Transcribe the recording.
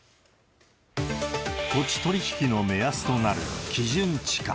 土地取り引きの目安となる基準地価。